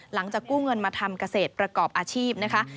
หลังจากกู้เงินมาทำเกษตรประกอบอาชีพนะคะ